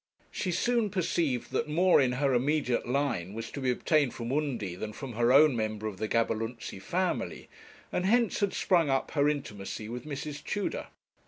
She soon perceived that more in her immediate line was to be obtained from Undy than from her own member of the Gaberlunzie family, and hence had sprung up her intimacy with Mrs. Tudor.